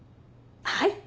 はい！